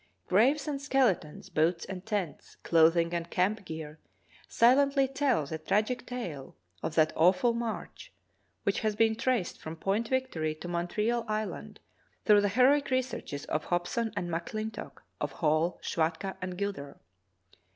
Graves and skeletons, boats and tents, clothing and camp gear silently tell the tragic tale of that awful march, which has been traced from Point Victory to Montreal Island through the heroic researches of Hob son and McClintock, of Hall, Schwatka, and Gilder.